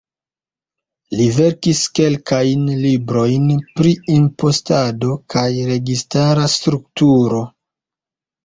Li verkis kelkajn librojn pri impostado kaj registara strukturo.